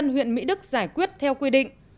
huyện mỹ đức giải quyết theo quy định